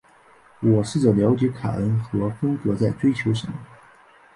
我试着了解凯恩和芬格在追求什么。